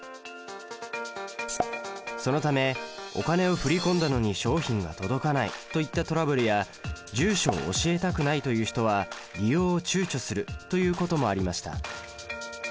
そのためお金を振り込んだのに商品が届かないといったトラブルや住所を教えたくないという人は利用をちゅうちょするということもありました。